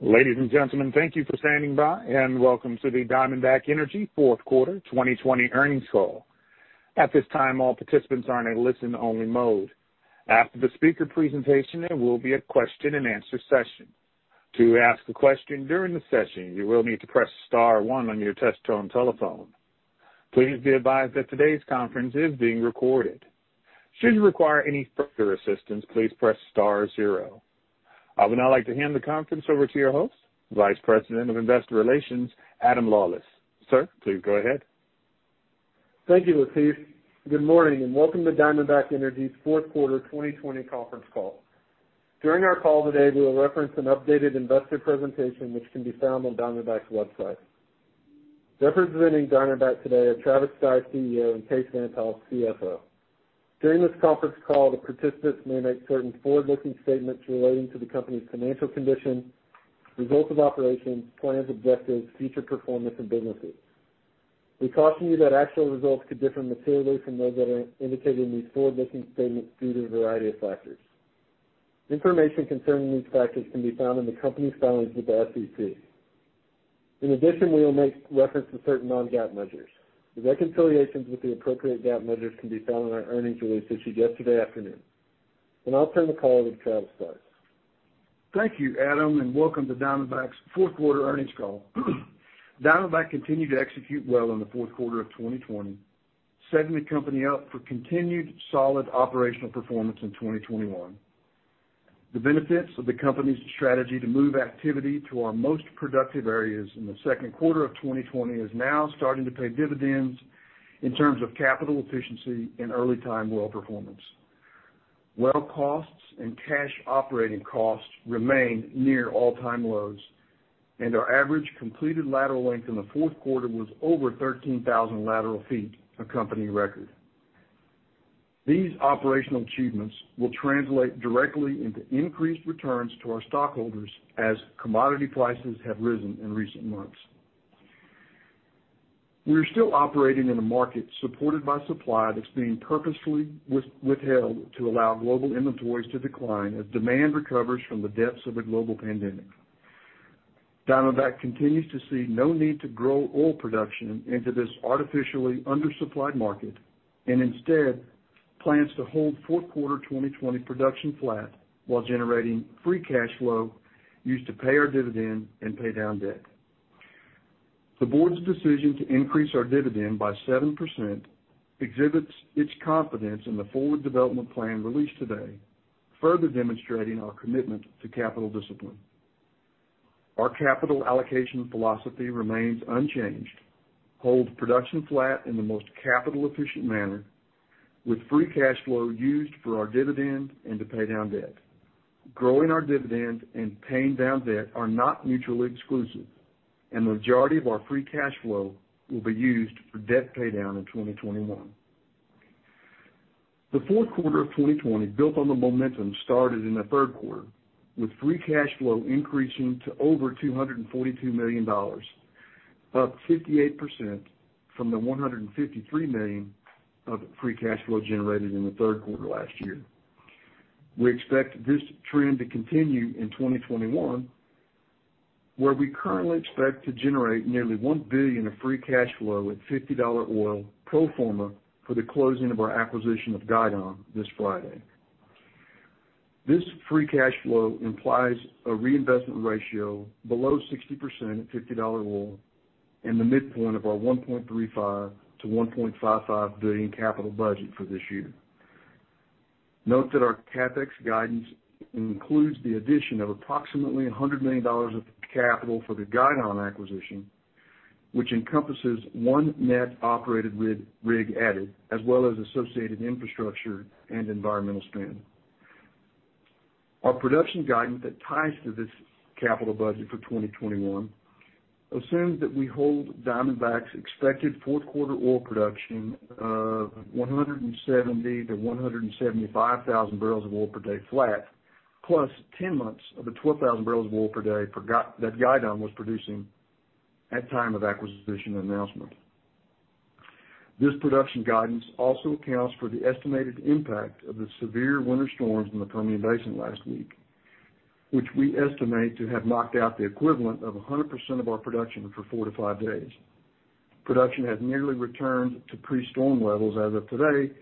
Ladies and gentlemen, thank you for standing by, and welcome to the Diamondback Energy Fourth Quarter 2020 Earnings Call. At this time, all participants are in a listen only mode. After the speaker presentation, there will be a question and answer session. To ask a question during the session, you will need to press star one on your touchtone telephone. Please be advised that today's conference is being recorded. Should you require any further assistance, please press star zero. I would now like to hand the conference over to your host, Vice President of Investor Relations, Adam Lawlis. Sir, please go ahead. Thank you, Latif. Good morning and welcome to Diamondback Energy's fourth quarter 2020 conference call. During our call today, we will reference an updated investor presentation which can be found on Diamondback's website. Representing Diamondback today are Travis Stice, CEO, and Kaes Van't Hof, CFO. During this conference call, the participants may make certain forward-looking statements relating to the company's financial condition, results of operations, plans, objectives, future performance, and businesses. We caution you that actual results could differ materially from those that are indicated in these forward-looking statements due to a variety of factors. Information concerning these factors can be found in the company's filings with the SEC. In addition, we will make reference to certain non-GAAP measures. The reconciliations with the appropriate GAAP measures can be found in our earnings release issued yesterday afternoon. I'll turn the call over to Travis Stice. Thank you, Adam, and welcome to Diamondback's fourth quarter earnings call. Diamondback continued to execute well in the fourth quarter of 2020, setting the company up for continued solid operational performance in 2021. The benefits of the company's strategy to move activity to our most productive areas in the second quarter of 2020 is now starting to pay dividends in terms of capital efficiency and early time well performance. Well costs and cash operating costs remain near all-time lows. Our average completed lateral length in the fourth quarter was over 13,000 lateral ft, a company record. These operational achievements will translate directly into increased returns to our stockholders as commodity prices have risen in recent months. We are still operating in a market supported by supply that's being purposefully withheld to allow global inventories to decline as demand recovers from the depths of a global pandemic. Diamondback continues to see no need to grow oil production into this artificially undersupplied market. Instead plans to hold fourth quarter 2020 production flat while generating free cash flow used to pay our dividend and pay down debt. The board's decision to increase our dividend by 7% exhibits its confidence in the forward development plan released today, further demonstrating our commitment to capital discipline. Our capital allocation philosophy remains unchanged. Hold production flat in the most capital efficient manner, with free cash flow used for our dividend and to pay down debt. Growing our dividend and paying down debt are not mutually exclusive. The majority of our free cash flow will be used for debt paydown in 2021. The fourth quarter of 2020 built on the momentum started in the third quarter, with free cash flow increasing to over $242 million, up 58% from the $153 million of free cash flow generated in the third quarter last year. We expect this trend to continue in 2021, where we currently expect to generate nearly $1 billion of free cash flow at $50 oil pro forma for the closing of our acquisition of Guidon this Friday. This free cash flow implies a reinvestment ratio below 60% at $50 oil and the midpoint of our $1.35 billion-$1.55 billion capital budget for this year. Note that our CapEx guidance includes the addition of approximately $100 million of capital for the Guidon acquisition, which encompasses one net operated rig added, as well as associated infrastructure and environmental spend. Our production guidance that ties to this capital budget for 2021 assumes that we hold Diamondback's expected fourth quarter oil production of 170,000-175,000 bbl of oil per day flat, +10 months of the 12,000 bbl of oil per day that Guidon was producing at time of acquisition announcement. This production guidance also accounts for the estimated impact of the severe winter storms in the Permian Basin last week, which we estimate to have knocked out the equivalent of 100% of our production for four to five days. Production has nearly returned to pre-storm levels as of today,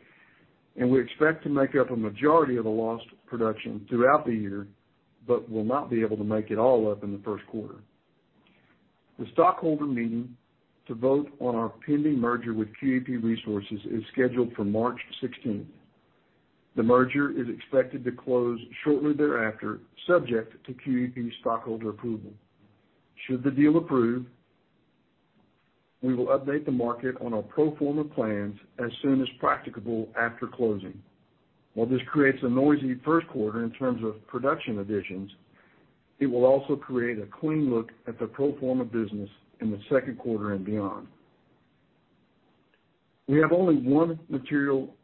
and we expect to make up a majority of the lost production throughout the year, but will not be able to make it all up in the first quarter. The stockholder meeting to vote on our pending merger with QEP Resources is scheduled for March 16th. The merger is expected to close shortly thereafter, subject to QEP stockholder approval. Should the deal approve, we will update the market on our pro forma plans as soon as practicable after closing. While this creates a noisy first quarter in terms of production additions, it will also create a clean look at the pro forma business in the second quarter and beyond. We have only one material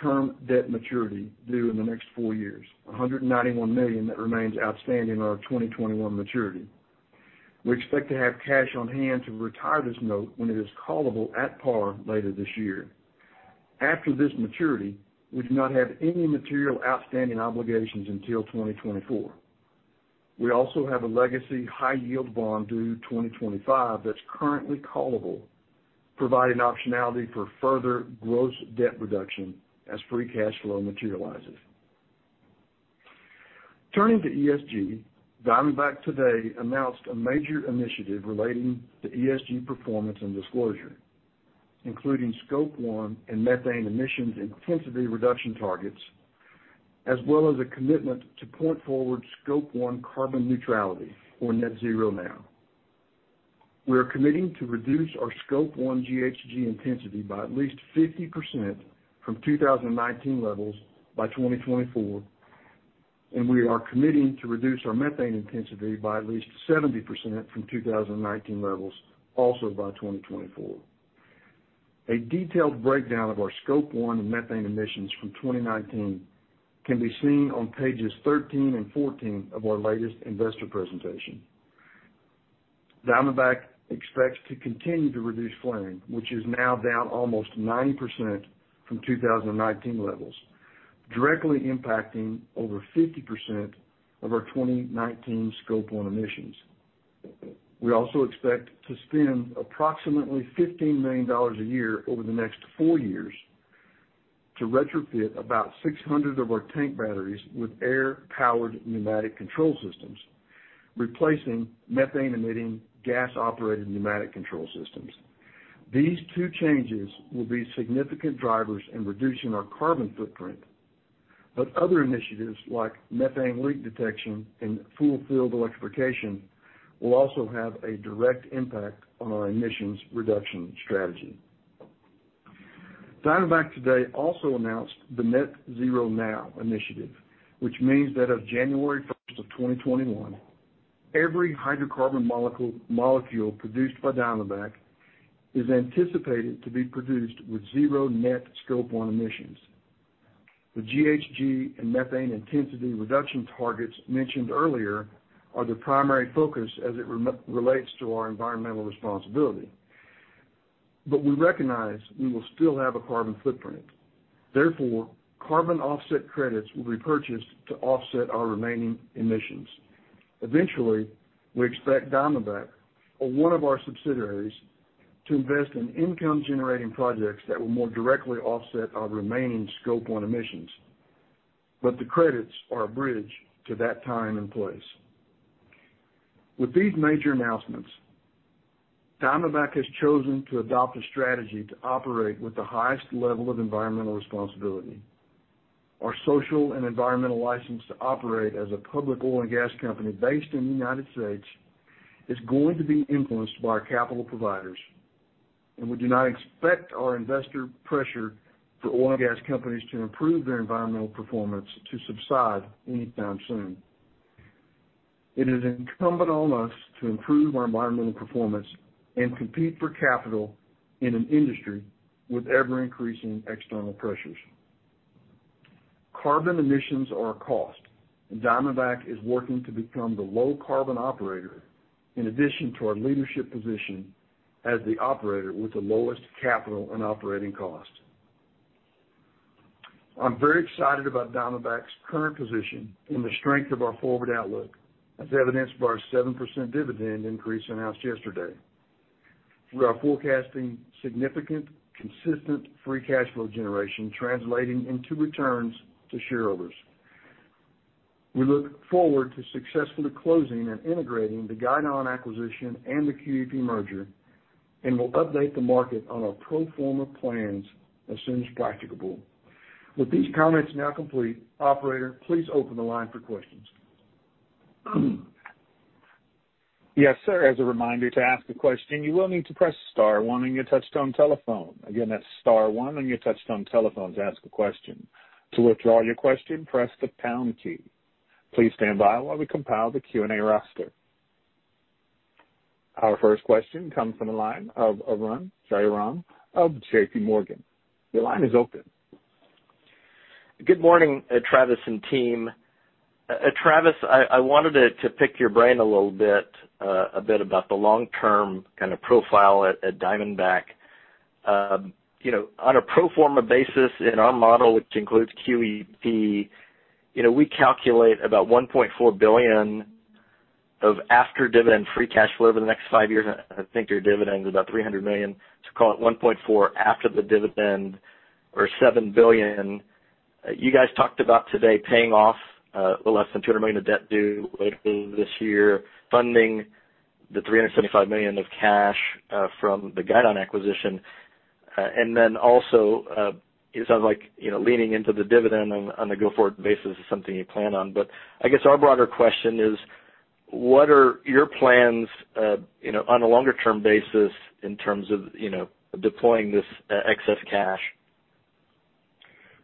term debt maturity due in the next four years, $191 million that remains outstanding on our 2021 maturity. We expect to have cash on hand to retire this note when it is callable at par later this year. After this maturity, we do not have any material outstanding obligations until 2024. We also have a legacy high-yield bond due 2025 that's currently callable, providing optionality for further gross debt reduction as free cash flow materializes. Turning to ESG, Diamondback today announced a major initiative relating to ESG performance and disclosure, including Scope 1 and methane emissions intensity reduction targets, as well as a commitment to point-forward Scope 1 carbon neutrality or Net Zero Now. We are committing to reduce our Scope 1 GHG intensity by at least 50% from 2019 levels by 2024, and we are committing to reduce our methane intensity by at least 70% from 2019 levels, also by 2024. A detailed breakdown of our Scope 1 and methane emissions from 2019 can be seen on pages 13 and 14 of our latest investor presentation. Diamondback expects to continue to reduce flaring, which is now down almost 90% from 2019 levels, directly impacting over 50% of our 2019 Scope 1 emissions. We also expect to spend approximately $15 million a year over the next four years to retrofit about 600 of our tank batteries with air-powered pneumatic control systems, replacing methane-emitting gas-operated pneumatic control systems. These two changes will be significant drivers in reducing our carbon footprint, other initiatives like methane leak detection and full field electrification will also have a direct impact on our emissions reduction strategy. Diamondback today also announced the Net Zero Now initiative, which means that as of January 1st of 2021, every hydrocarbon molecule produced by Diamondback is anticipated to be produced with zero net Scope 1 emissions. The GHG and methane intensity reduction targets mentioned earlier are the primary focus as it relates to our environmental responsibility. We recognize we will still have a carbon footprint. Therefore, carbon offset credits will be purchased to offset our remaining emissions. We expect Diamondback or one of our subsidiaries to invest in income-generating projects that will more directly offset our remaining Scope 1 emissions. The credits are a bridge to that time and place. With these major announcements, Diamondback has chosen to adopt a strategy to operate with the highest level of environmental responsibility. Our social and environmental license to operate as a public oil and gas company based in the United States is going to be influenced by our capital providers, and we do not expect our investor pressure for oil and gas companies to improve their environmental performance to subside anytime soon. It is incumbent on us to improve our environmental performance and compete for capital in an industry with ever-increasing external pressures. Carbon emissions are a cost, and Diamondback is working to become the low-carbon operator in addition to our leadership position as the operator with the lowest capital and operating cost. I'm very excited about Diamondback's current position and the strength of our forward outlook, as evidenced by our 7% dividend increase announced yesterday. We are forecasting significant, consistent free cash flow generation translating into returns to shareholders. We look forward to successfully closing and integrating the Guidon acquisition and the QEP merger, and we'll update the market on our pro forma plans as soon as practicable. With these comments now complete, operator, please open the line for questions. Yes, sir. As a reminder, to ask a question, you will need to press star one on your touchtone telephone. Again, that's star one on your touchtone telephone to ask a question. To withdraw your question, press the pound key. Please stand by while we compile the Q&A roster. Our first question comes from the line of Arun Jayaram of JPMorgan. Your line is open. Good morning, Travis and team. Travis, I wanted to pick your brain a little bit about the long-term kind of profile at Diamondback Energy. On a pro forma basis in our model, which includes QEP Resources, we calculate about $1.4 billion of after-dividend free cash flow over the next five years. I think your dividend is about $300 million, call it $1.4 after the dividend or $7 billion. You guys talked about today paying off a little less than $200 million of debt due later this year, funding the $375 million of cash from the Guidon Energy acquisition, it sounds like leaning into the dividend on a go-forward basis is something you plan on. I guess our broader question is, what are your plans on a longer-term basis in terms of deploying this excess cash?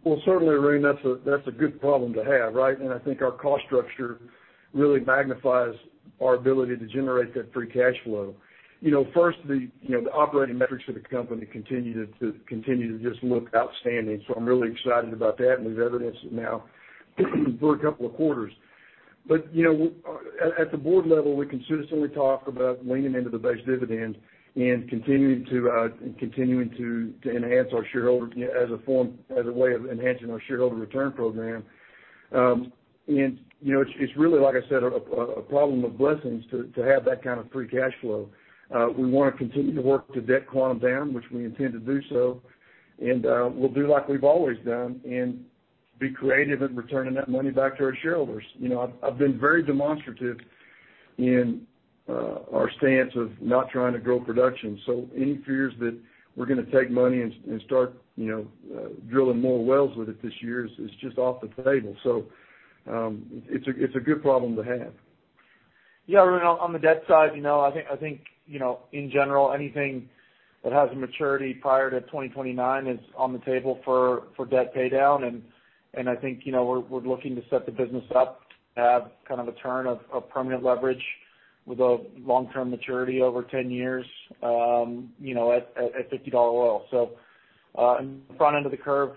Well, certainly, Arun, that's a good problem to have, right? I think our cost structure really magnifies our ability to generate that free cash flow. First, the operating metrics for the company continue to just look outstanding. I'm really excited about that, and we've evidenced it now for a couple of quarters. At the board level, we consistently talk about leaning into the base dividend and continuing to enhance our shareholder as a way of enhancing our shareholder return program. It's really, like I said, a problem of blessings to have that kind of free cash flow. We want to continue to work the debt quantum down, which we intend to do so. We'll do like we've always done and be creative in returning that money back to our shareholders. I've been very demonstrative in our stance of not trying to grow production. Any fears that we're going to take money and start drilling more wells with it this year is just off the table. It's a good problem to have. Yeah, Arun, on the debt side, I think, in general, anything that has a maturity prior to 2029 is on the table for debt paydown. I think we're looking to set the business up to have kind of a turn of permanent leverage with a long-term maturity over 10 years at $50 oil. On the front end of the curve,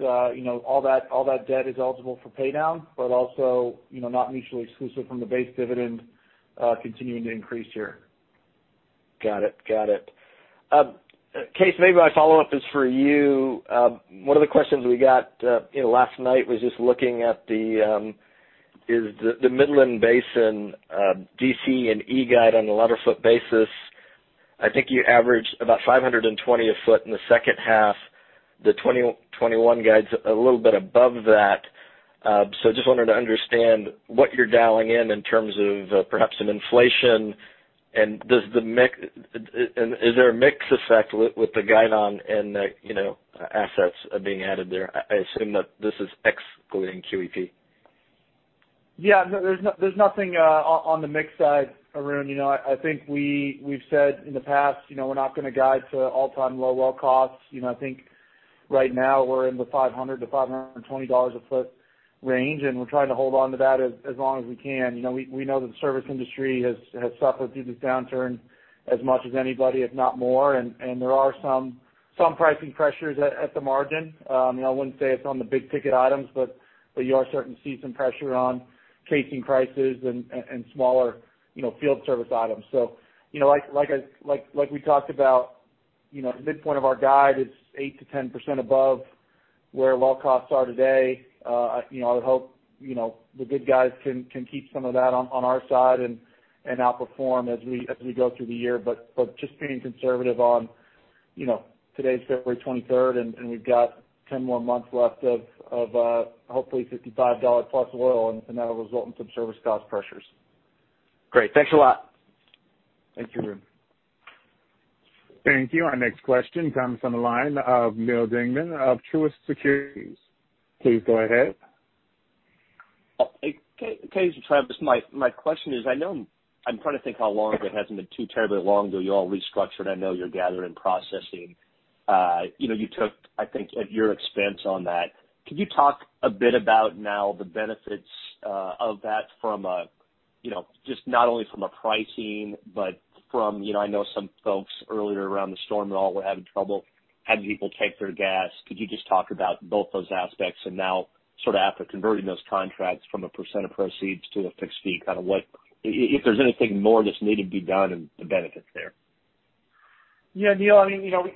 all that debt is eligible for paydown, but also not mutually exclusive from the base dividend continuing to increase here. Got it. Kaes, maybe my follow-up is for you. One of the questions we got last night was just looking at the Midland Basin DC&E guide on a lateral foot basis. I think you averaged about $520 a foot in the second half. The 2021 guide's a little bit above that. Just wanted to understand what you're dialing in terms of perhaps some inflation, and is there a mix effect with the Guidon and the assets being added there? I assume that this is excluding QEP. There's nothing on the mix side, Arun. I think we've said in the past we're not going to guide to all-time low well costs. I think right now we're in the $500-$520 a foot range, and we're trying to hold onto that as long as we can. We know that the service industry has suffered through this downturn as much as anybody, if not more, and there are some pricing pressures at the margin. I wouldn't say it's on the big-ticket items, but you are starting to see some pressure on casing prices and smaller field service items. Like we talked about, the midpoint of our guide is 8%-10% above where well costs are today. I would hope the good guys can keep some of that on our side and outperform as we go through the year. Just being conservative on today's February 23rd, and we've got 10 more months left of hopefully $55+ oil, and that'll result in some service cost pressures. Great. Thanks a lot. Thank you, Arun. Thank you. Our next question comes from the line of Neal Dingmann of Truist Securities. Please go ahead. Kaes or Travis, my question is, I'm trying to think how long it hasn't been too terribly long ago you all restructured. I know you're gathering processing. You took, I think, at your expense on that. Could you talk a bit about now the benefits of that from just not only from a pricing, but from I know some folks earlier around the storm and all were having trouble having people take their gas. Could you just talk about both those aspects and now sort of after converting those contracts from a percent of proceeds to a fixed fee, if there's anything more that's needed to be done and the benefits there? Neal,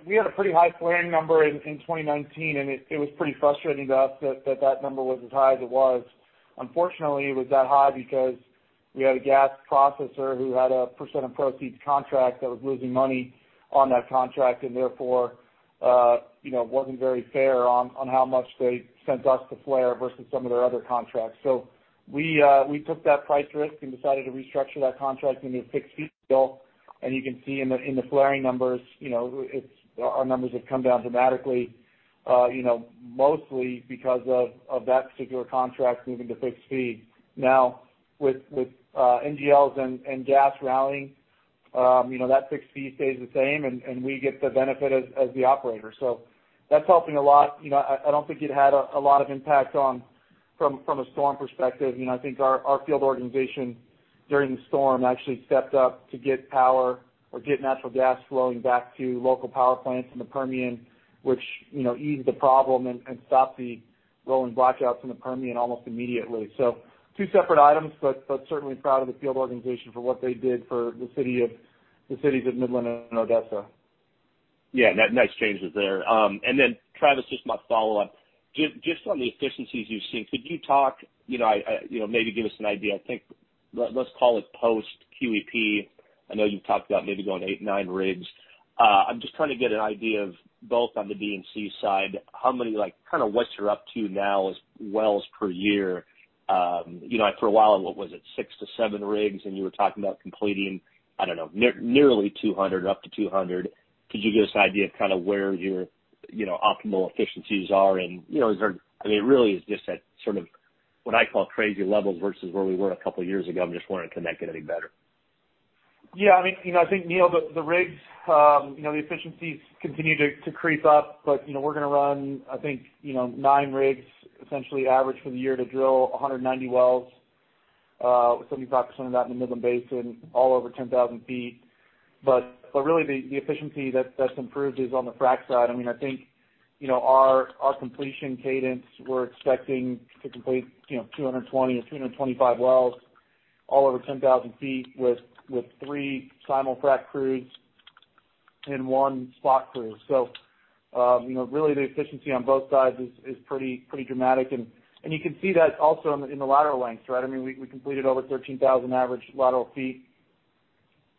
we had a pretty high flaring number in 2019, and it was pretty frustrating to us that that number was as high as it was. Unfortunately, it was that high because we had a gas processor who had a percent-of-proceeds contract that was losing money on that contract, and therefore, wasn't very fair on how much they sent us to flare versus some of their other contracts. We took that price risk and decided to restructure that contract into a fixed-fee deal, and you can see in the flaring numbers, our numbers have come down dramatically. Mostly because of that particular contract moving to fixed-fee. Now with NGLs and gas rallying, that fixed-fee stays the same, and we get the benefit as the operator. That's helping a lot. I don't think it had a lot of impact from a storm perspective. I think our field organization during the storm actually stepped up to get power or get natural gas flowing back to local power plants in the Permian, which eased the problem and stopped the rolling blackouts in the Permian almost immediately. Two separate items, but certainly proud of the field organization for what they did for the cities of Midland and Odessa. Yeah. Nice changes there. Travis, just my follow-up. Just on the efficiencies you've seen, could you talk, maybe give us an idea, I think let's call it post-QEP. I know you've talked about maybe going eight, nine rigs. I'm just trying to get an idea of both on the D&C side, what you're up to now as wells per year. For a while, what was it? Six to seven rigs, and you were talking about completing, I don't know, nearly 200 or up to 200. Could you give us an idea of kind of where your optimal efficiencies are? It really is just at sort of what I call crazy levels versus where we were a couple of years ago. I'm just wondering, can that get any better? I think, Neal, the rigs, the efficiencies continue to creep up. We're going to run, I think, nine rigs essentially average for the year to drill 190 wells, with 75% of that in the Midland Basin, all over 10,000 ft. Really the efficiency that's improved is on the frac side. I think our completion cadence, we're expecting to complete 220 or 225 wells all over 10,000 ft with three simul-frac crews and one spot crew. Really the efficiency on both sides is pretty dramatic and you can see that also in the lateral lengths, right? We completed over 13,000 average lateral feet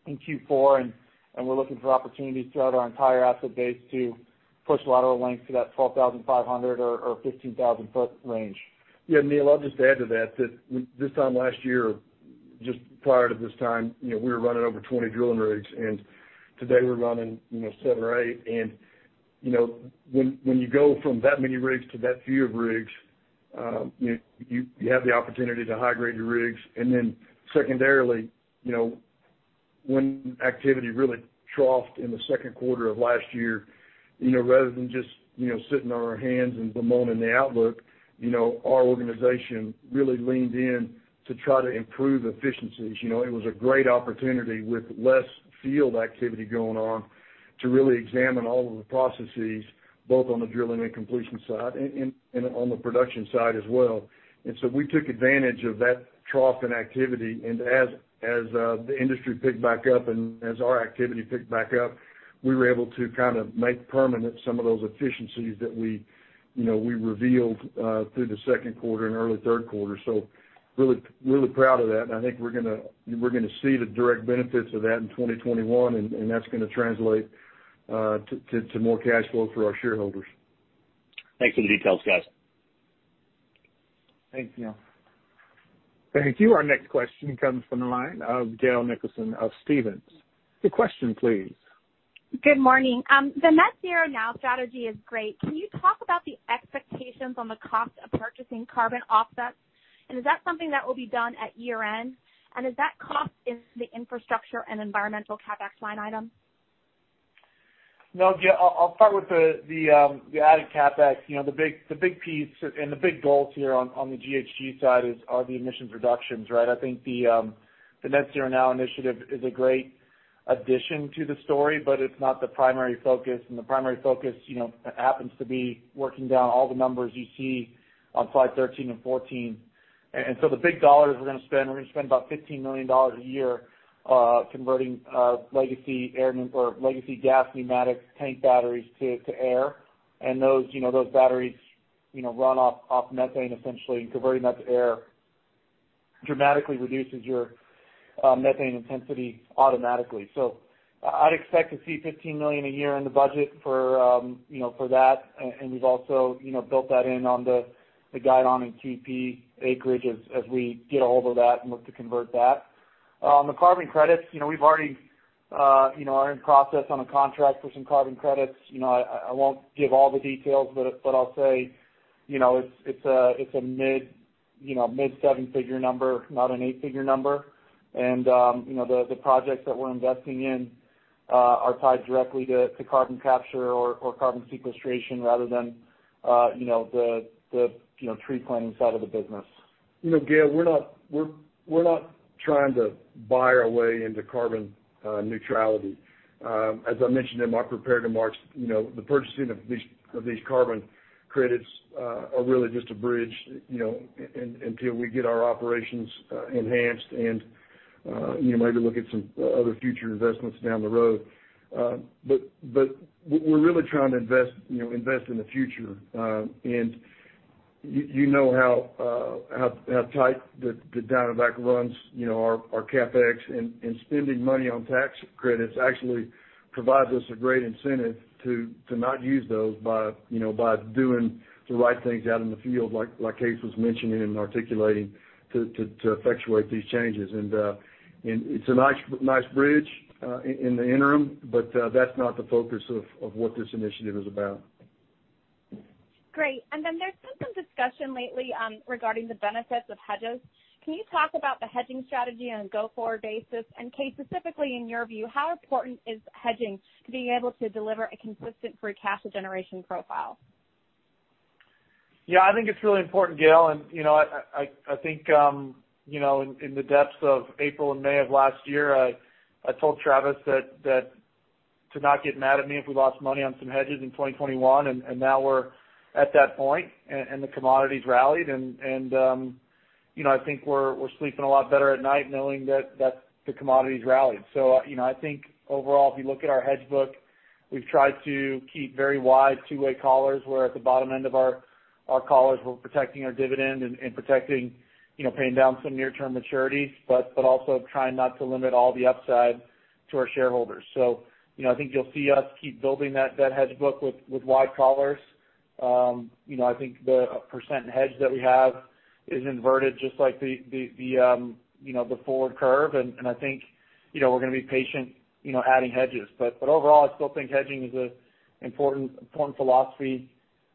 in Q4, and we're looking for opportunities throughout our entire asset base to push lateral lengths to that 12,500 or 15,000-foot range. Neal, I'll just add to that this time last year, just prior to this time, we were running over 20 drilling rigs. Today we're running seven or eight. When you go from that many rigs to that few of rigs, you have the opportunity to high-grade your rigs. Secondarily, when activity really troughed in the second quarter of last year, rather than just sitting on our hands and bemoaning the outlook, our organization really leaned in to try to improve efficiencies. It was a great opportunity with less field activity going on to really examine all of the processes, both on the drilling and completion side and on the production side as well. We took advantage of that trough in activity, and as the industry picked back up and as our activity picked back up, we were able to make permanent some of those efficiencies that we revealed through the second quarter and early third quarter. Really proud of that, and I think we're going to see the direct benefits of that in 2021, and that's going to translate to more cash flow for our shareholders. Thanks for the details, guys. Thanks, Neal. Thank you. Our next question comes from the line of Gail Nicholson of Stephens. The question please. Good morning. The Net Zero Now strategy is great. Can you talk about the expectations on the cost of purchasing carbon offsets? Is that something that will be done at year-end? Is that cost in the infrastructure and environmental CapEx line item? No, Gail, I'll start with the added CapEx. The big piece and the big goals here on the GHG side are the emissions reductions, right? I think the Net Zero Now initiative is a great addition to the story, but it's not the primary focus, the primary focus happens to be working down all the numbers you see on slide 13 and 14. The big dollars we're going to spend, we're going to spend about $15 million a year converting legacy gas pneumatic tank batteries to air. Those batteries run off methane essentially, and converting that to air dramatically reduces your methane intensity automatically. I'd expect to see $15 million a year in the budget for that, and we've also built that in on the the Guidon and QEP acreage as we get a hold of that and look to convert that. On the carbon credits, we're in process on a contract for some carbon credits. I won't give all the details, but I'll say it's a mid-seven-figure number, not an eight-figure number. The projects that we're investing in are tied directly to carbon capture or carbon sequestration rather than the tree planting side of the business. Gail, we're not trying to buy our way into carbon neutrality. As I mentioned in my prepared remarks, the purchasing of these carbon credits are really just a bridge until we get our operations enhanced and maybe look at some other future investments down the road. We're really trying to invest in the future. You know how tight the Diamondback runs our CapEx, and spending money on tax credits actually provides us a great incentive to not use those by doing the right things out in the field, like Kaes was mentioning and articulating to effectuate these changes. It's a nice bridge in the interim, but that's not the focus of what this initiative is about. Great. There's been some discussion lately regarding the benefits of hedges. Can you talk about the hedging strategy on a go-forward basis? Kaes, specifically in your view, how important is hedging to being able to deliver a consistent free cash generation profile? Yeah. I think it's really important, Gail, and I think in the depths of April and May of last year, I told Travis to not get mad at me if we lost money on some hedges in 2021, and now we're at that point, and the commodity's rallied. I think we're sleeping a lot better at night knowing that the commodity's rallied. I think overall, if you look at our hedge book, we've tried to keep very wide two-way collars, where at the bottom end of our collars, we're protecting our dividend and protecting paying down some near-term maturities, but also trying not to limit all the upside to our shareholders. I think you'll see us keep building that hedge book with wide collars. I think the percent hedge that we have is inverted just like the forward curve. I think we're going to be patient adding hedges. Overall, I still think hedging is an important philosophy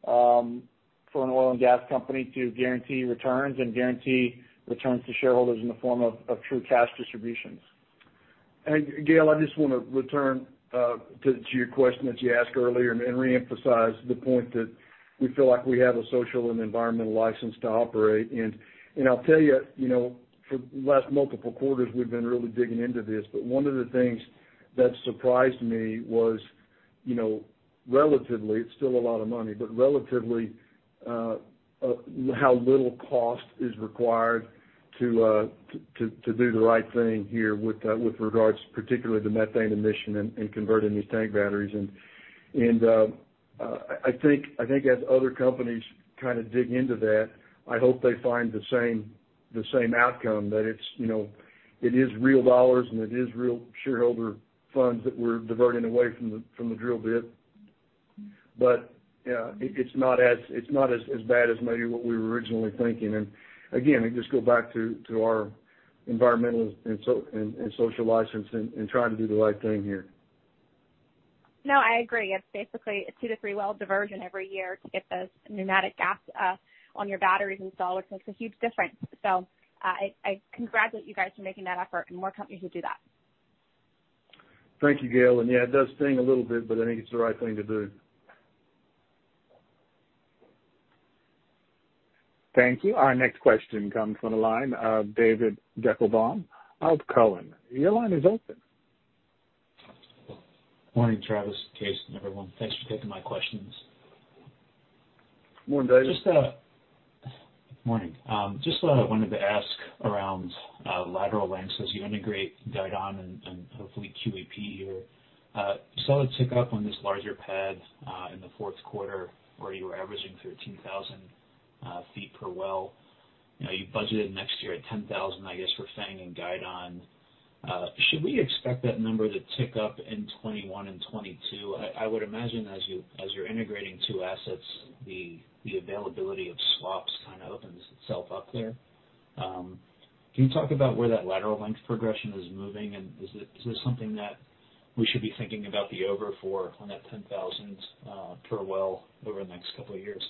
for an oil and gas company to guarantee returns and guarantee returns to shareholders in the form of true cash distributions. Gail, I just want to return to your question that you asked earlier and reemphasize the point that we feel like we have a social and environmental license to operate. I'll tell you, for the last multiple quarters, we've been really digging into this. One of the things that surprised me was relatively, it's still a lot of money, but relatively, how little cost is required to do the right thing here with regards particularly to methane emissions and converting these tank batteries. I think as other companies kind of dig into that, I hope they find the same outcome, that it is real dollars, and it is real shareholder funds that we're diverting away from the drill bit. Yeah, it's not as bad as maybe what we were originally thinking. Again, it just go back to our environmental and social license and trying to do the right thing here. No, I agree. It's basically a two to three well diversion every year to get those pneumatic caps on your batteries installed, which makes a huge difference. I congratulate you guys for making that effort and more companies who do that. Thank you, Gail. Yeah, it does sting a little bit, but I think it's the right thing to do. Thank you. Our next question comes from the line of David Deckelbaum of Cowen. Your line is open. Morning, Travis, Kaes, and everyone. Thanks for taking my questions. Morning, David. Morning. Just wanted to ask around lateral lengths as you integrate Guidon and hopefully QEP here. Saw a tick up on this larger pad in the fourth quarter where you were averaging 13,000 ft per well. You budgeted next year at 10,000, I guess, for FANG and Guidon. Should we expect that number to tick up in 2021 and 2022? I would imagine as you're integrating two assets, the availability of swaps kind of opens itself up there. Can you talk about where that lateral length progression is moving, and is this something that we should be thinking about the over for on that 10,000 per well over the next couple of years?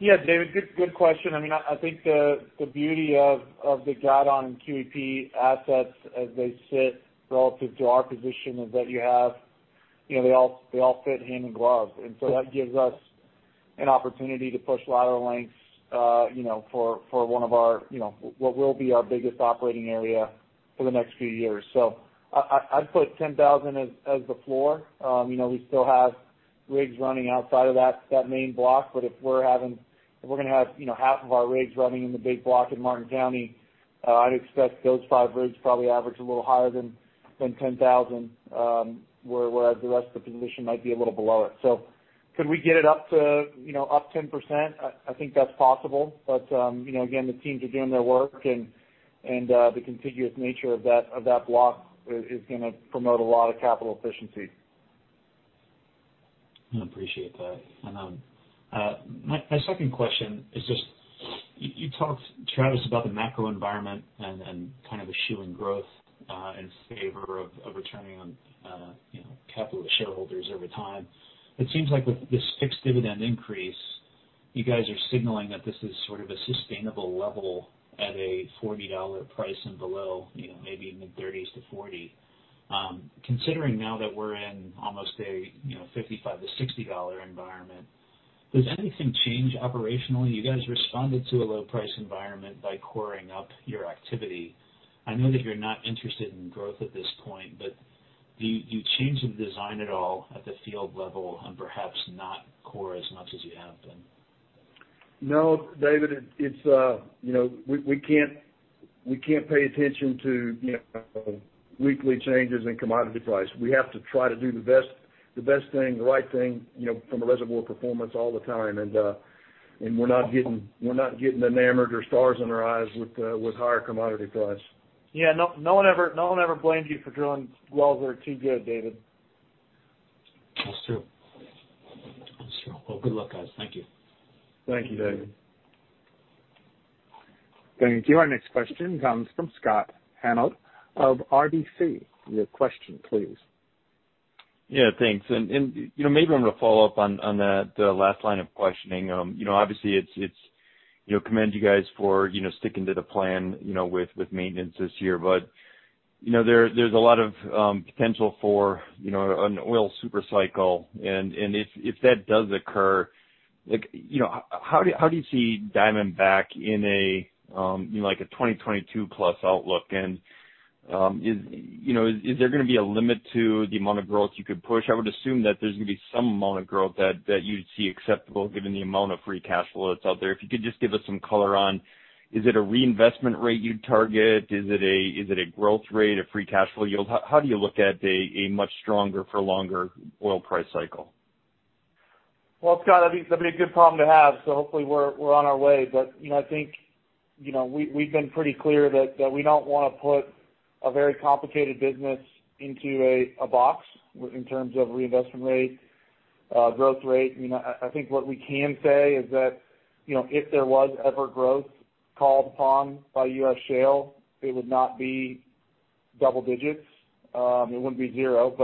Yeah, David, good question. I think the beauty of the Guidon and QEP assets as they sit relative to our position is that they all fit hand in glove. That gives us an opportunity to push lateral lengths for what will be our biggest operating area for the next few years. I'd put 10,000 as the floor. We still have rigs running outside of that main block, if we're going to have half of our rigs running in the big block in Martin County, I'd expect those five rigs probably average a little higher than 10,000, whereas the rest of the position might be a little below it. Can we get it up to 10%? I think that's possible. Again, the teams are doing their work, and the contiguous nature of that block is going to promote a lot of capital efficiency. I appreciate that. My second question is just, you talked, Travis, about the macro environment and kind of eschewing growth in favor of returning capital to shareholders over time. It seems like with this fixed dividend increase, you guys are signaling that this is sort of a sustainable level at a $40 price and below, maybe even $30-$40. Considering now that we're in almost a $55-$60 environment, does anything change operationally? You guys responded to a low price environment by coring up your activity. I know that you're not interested in growth at this point, do you change the design at all at the field level and perhaps not core as much as you have been? No, David, we can't pay attention to weekly changes in commodity price. We have to try to do the best thing, the right thing, from a reservoir performance all the time. We're not getting enamored or stars in our eyes with higher commodity price. Yeah. No one ever blames you for drilling wells that are too good, David. That's true. Well, good luck, guys. Thank you. Thank you, David. Thank you. Our next question comes from Scott Hanold of RBC. Your question please. Yeah, thanks. Maybe I'm going to follow up on that last line of questioning. Obviously, commend you guys for sticking to the plan with maintenance this year. There's a lot of potential for an oil super cycle, and if that does occur, how do you see Diamondback in a 2022+ outlook, and is there going to be a limit to the amount of growth you could push? I would assume that there's going to be some amount of growth that you'd see acceptable given the amount of free cash flow that's out there. If you could just give us some color on, is it a reinvestment rate you'd target? Is it a growth rate, a free cash flow yield? How do you look at a much stronger for longer oil price cycle? Well, Scott, that'd be a good problem to have. Hopefully we're on our way. I think we've been pretty clear that we don't want to put a very complicated business into a box in terms of reinvestment rate, growth rate. I think what we can say is that if there was ever growth called upon by U.S. shale, it would not be double digits. It wouldn't be zero.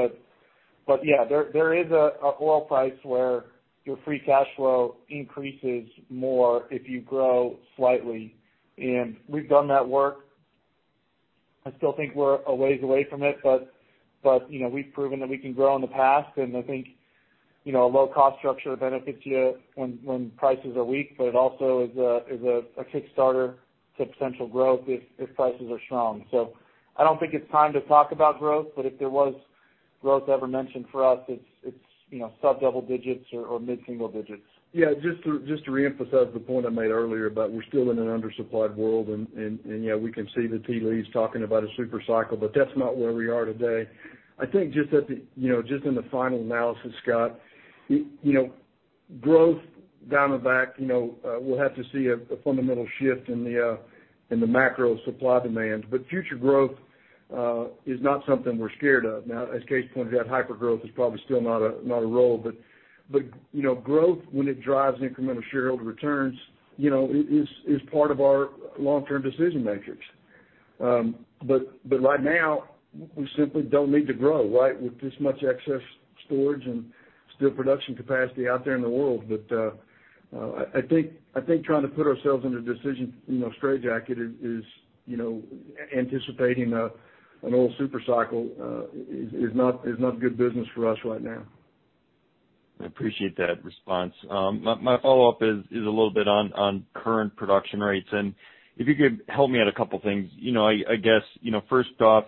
Yeah, there is an oil price where your free cash flow increases more if you grow slightly. We've done that work. I still think we're a ways away from it. We've proven that we can grow in the past. A low-cost structure benefits you when prices are weak, but it also is a kickstarter to potential growth if prices are strong. I don't think it's time to talk about growth, but if there was growth ever mentioned for us, it's sub double digits or mid-single digits. Yeah. Just to reemphasize the point I made earlier about we're still in an undersupplied world and we can see the tea leaves talking about a super cycle, but that's not where we are today. I think just in the final analysis, Scott, growth, Diamondback will have to see a fundamental shift in the macro supply demands. Future growth is not something we're scared of. Now, as Kaes pointed out, hyper growth is probably still not a goal. Growth, when it drives incremental shareholder returns, is part of our long-term decision matrix. Right now, we simply don't need to grow, right, with this much excess storage and still production capacity out there in the world. I think trying to put ourselves in a decision straitjacket is anticipating an oil super cycle is not good business for us right now. I appreciate that response. My follow-up is a little bit on current production rates, and if you could help me out a couple things. I guess, first off,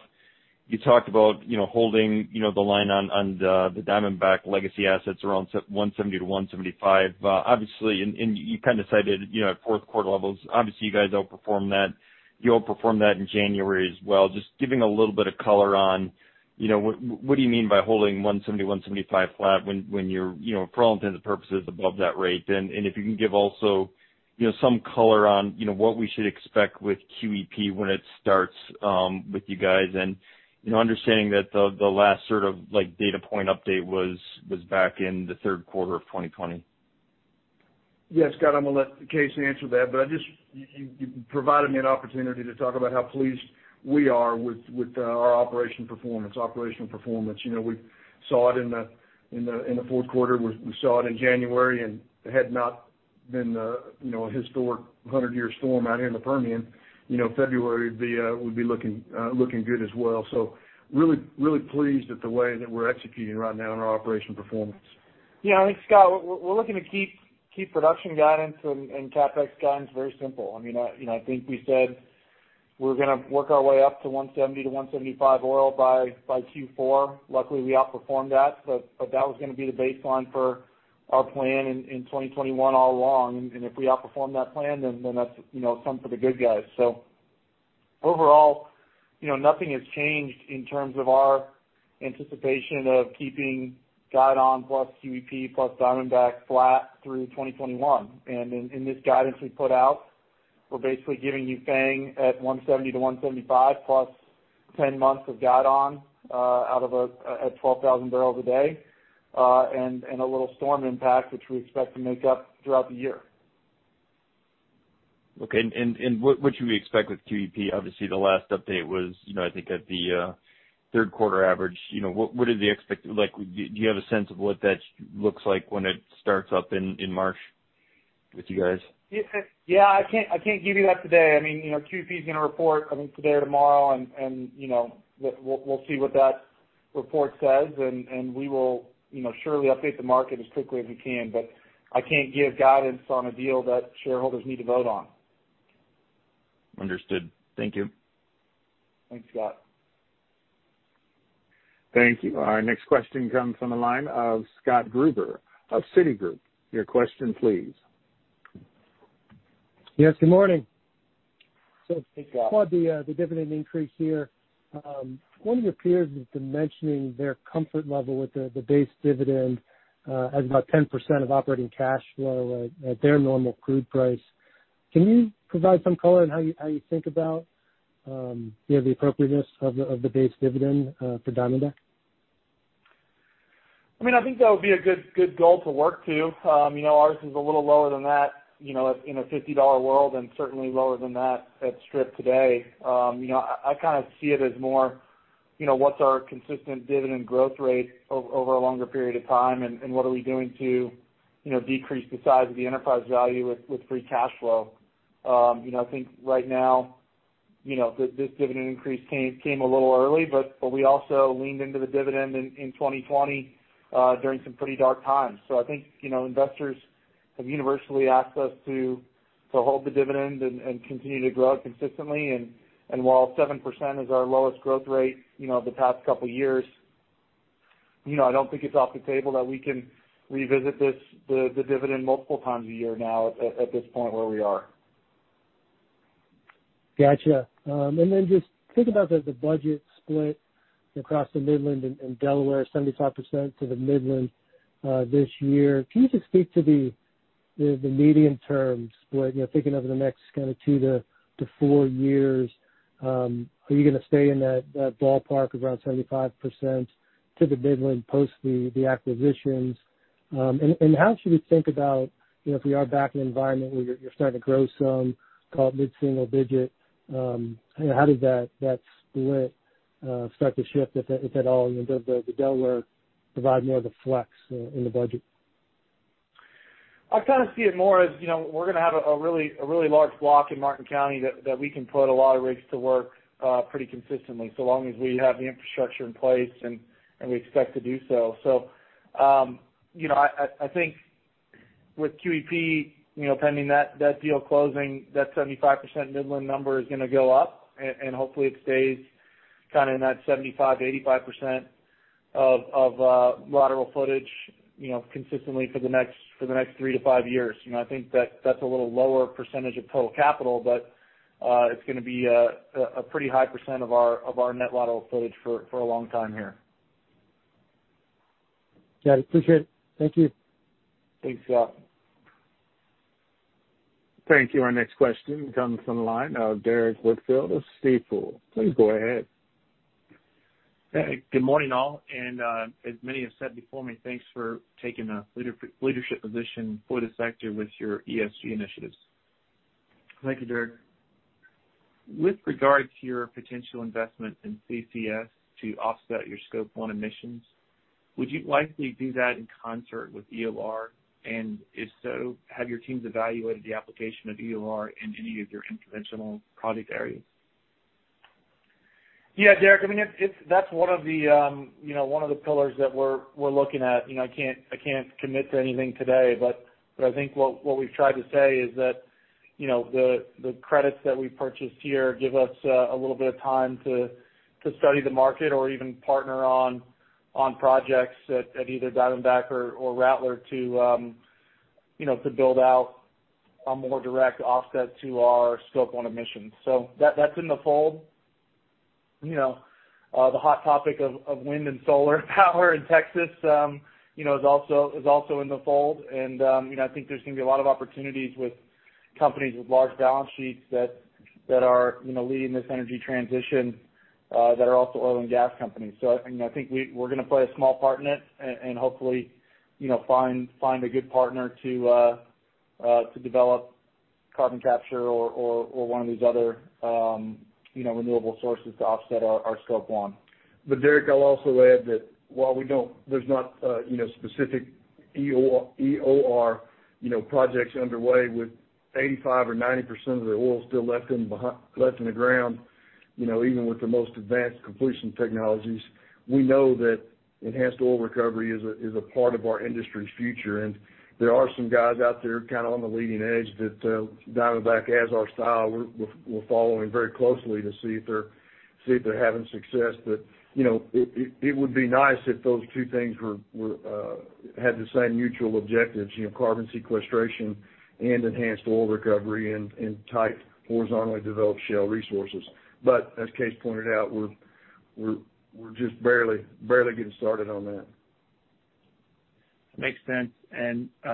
you talked about holding the line on the Diamondback legacy assets around 170-175. Obviously, you kind of cited at fourth quarter levels, you guys outperformed that. You outperformed that in January as well. Just giving a little bit of color on what do you mean by holding 170-175 flat when you're, for all intents and purposes, above that rate? If you can give also some color on what we should expect with QEP when it starts with you guys and understanding that the last sort of data point update was back in the third quarter of 2020. Yes, Scott, I'm going to let Kaes answer that, but you provided me an opportunity to talk about how pleased we are with our operational performance. We saw it in the fourth quarter. We saw it in January, and had it not been a historic 100-year storm out here in the Permian, February would be looking good as well. Really pleased with the way that we're executing right now in our operational performance. Yeah. I think, Scott, we're looking to keep production guidance and CapEx guidance very simple. I think we said we're going to work our way up to 170 to 175 oil by Q4. Luckily, we outperformed that, but that was going to be the baseline for our plan in 2021 all along, and if we outperform that plan, then that's something for the good guys. Overall, nothing has changed in terms of our anticipation of keeping Guidon plus QEP plus Diamondback flat through 2021. In this guidance we put out, we're basically giving you FANG at 170 to 175 plus 10 months of Guidon at 12,000 bbl a day, and a little storm impact, which we expect to make up throughout the year. Okay. What should we expect with QEP? Obviously, the last update was, I think, at the third quarter average. Do you have a sense of what that looks like when it starts up in March with you guys? Yeah. I can't give you that today. QEP is going to report, I think, today or tomorrow, and we'll see what that report says, and we will surely update the market as quickly as we can. I can't give guidance on a deal that shareholders need to vote on. Understood. Thank you. Thanks, Scott. Thank you. Our next question comes from the line of Scott Gruber of Citigroup. Your question please. Yes, good morning. Hey, Scott. Kaes, the dividend increase here. One of your peers has been mentioning their comfort level with the base dividend as about 10% of operating cash flow at their normal crude price. Can you provide some color on how you think about the appropriateness of the base dividend for Diamondback? I think that would be a good goal to work to. Ours is a little lower than that in a $50 world and certainly lower than that at strip today. I kind of see it as more what's our consistent dividend growth rate over a longer period of time, and what are we doing to decrease the size of the enterprise value with free cash flow? I think right now, this dividend increase came a little early, but we also leaned into the dividend in 2020 during some pretty dark times. I think investors have universally asked us to hold the dividend and continue to grow it consistently. While 7% is our lowest growth rate the past couple years, I don't think it's off the table that we can revisit the dividend multiple times a year now at this point where we are. Got you. Just thinking about the budget split across the Midland and Delaware, 75% to the Midland this year. Can you just speak to the medium-term split, thinking over the next kind of two to four years? Are you going to stay in that ballpark around 75% to the Midland post the acquisitions? How should we think about if we are back in an environment where you're starting to grow some, call it mid-single digit, how does that split start to shift, if at all? Does the Delaware provide more of the flex in the budget split? I see it more as we're going to have a really large block in Martin County that we can put a lot of rigs to work pretty consistently, so long as we have the infrastructure in place, and we expect to do so. I think with QEP, pending that deal closing, that 75% Midland number is going to go up, and hopefully it stays in that 75%-85% of lateral footage consistently for the next three to five years. I think that's a little lower percentage of total capital, but it's going to be a pretty high percent of our net lateral footage for a long time here. Got it. Appreciate it. Thank you. Thanks, Scott. Thank you. Our next question comes from the line of Derrick Whitfield of Stifel. Please go ahead. Hey, good morning, all. As many have said before me, thanks for taking a leadership position for the sector with your ESG initiatives. Thank you, Derrick. With regard to your potential investment in CCS to offset your Scope 1 emissions, would you likely do that in concert with EOR? If so, have your teams evaluated the application of EOR in any of your unconventional project areas? Yeah, Derrick, that's one of the pillars that we're looking at. I can't commit to anything today, but I think what we've tried to say is that the credits that we purchased here give us a little bit of time to study the market or even partner on projects at either Diamondback or Rattler to build out a more direct offset to our Scope 1 emissions. That's in the fold. The hot topic of wind and solar power in Texas is also in the fold, and I think there's going to be a lot of opportunities with companies with large balance sheets that are leading this energy transition that are also oil and gas companies. I think we're going to play a small part in it and hopefully find a good partner to develop carbon capture or one of these other renewable sources to offset our Scope 1. Derrick, I'll also add that while there's not specific EOR projects underway with 85% or 90% of the oil still left in the ground, even with the most advanced completion technologies, we know that enhanced oil recovery is a part of our industry's future. There are some guys out there on the leading edge that Diamondback, as our style, we're following very closely to see if they're having success. It would be nice if those two things had the same mutual objectives, carbon sequestration and enhanced oil recovery in tight horizontally developed shale resources. As Kaes pointed out, we're just barely getting started on that. Makes sense.